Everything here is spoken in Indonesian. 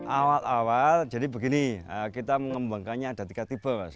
awal awal jadi begini kita mengembangkannya ada tiga tipe mas